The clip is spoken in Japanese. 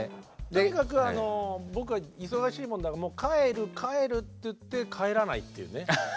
とにかく僕は忙しいもんだからもう帰る帰るって言って帰らないっていうね。